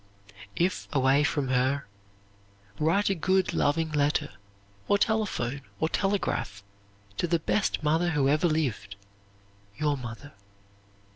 If away from her, write a good, loving letter, or telephone or telegraph to the best mother who ever lived your mother.